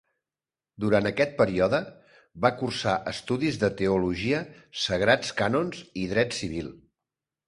Durant aquest període, va cursar estudis de teologia, sagrats cànons i dret civil.